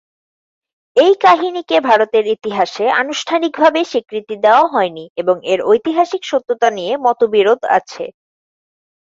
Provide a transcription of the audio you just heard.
এই কাহিনীকে ভারতের ইতিহাসে আনুষ্ঠানিকভাবে স্বীকৃতি দেওয়া হয়নি এবং এর ঐতিহাসিক সত্যতা নিয়ে মতবিরোধ আছে।